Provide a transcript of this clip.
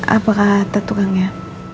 apa kata tukangnya